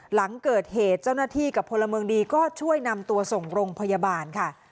หลังเกิดเหตุเจ้าหน้าที่กับพลเมืองดีก็ช่วยนำตัวส่งโรงพยาบาลค่ะ